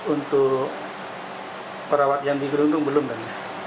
untuk perawat yang di kedungdung belum kan